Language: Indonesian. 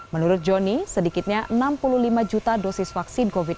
menurut joni sedikitnya enam puluh lima juta dosis vaksin covid sembilan belas